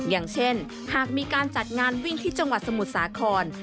อย่างเช่นหากมีการจัดงานวิ่งที่จังหวัดสมุทรสาคร